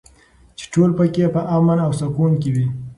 چې ټول پکې په امن او سکون کې وي.